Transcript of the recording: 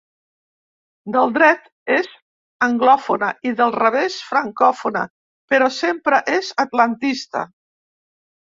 Del dret és anglòfona i del revés francòfona, però sempre és atlantista.